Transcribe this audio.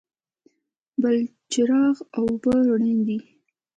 بلچراغ اوبه رڼې دي؟